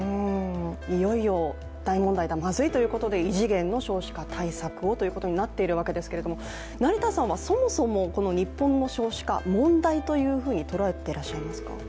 いよいよ大問題だ、まずいということで異次元の少子化対策をということになっているわけですけれども成田さんはそもそも日本の少子化問題というふうに捉えていらっしゃいますか？